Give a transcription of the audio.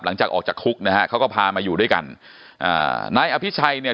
หลังจากออกจากคุกนะฮะเขาก็พามาอยู่ด้วยกันอ่านายอภิชัยเนี่ย